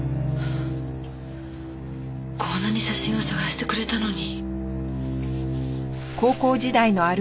こんなに写真を探してくれたのに。